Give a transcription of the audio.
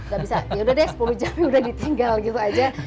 gak bisa yaudah deh sepuluh jam udah ditinggal gitu aja